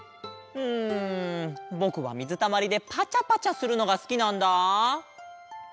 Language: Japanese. うんぼくはみずたまりでパチャパチャするのがすきなんだ。